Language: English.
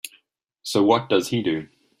So what does he do?